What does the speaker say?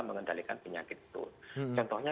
mengendalikan penyakit itu contohnya